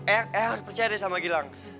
eyang harus percaya deh sama gilang